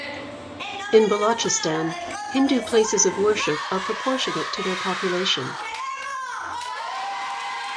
In Balochistan Hindu places of worship are proportionate to their population.